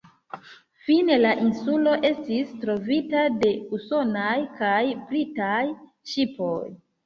Fine la insulo estis trovita de usonaj kaj britaj ŝipoj.